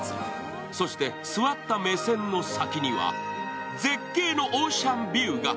そして座った目線の先には絶景のオーシャンビューが。